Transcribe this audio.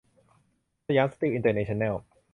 สยามสตีลอินเตอร์เนชั่นแนล